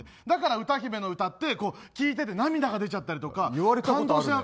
だから歌姫の歌って聴いてて涙が出ちゃったりとか。